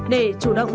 để chủ động